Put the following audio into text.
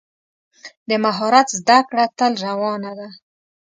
د مهارت زده کړه تل روانه ده.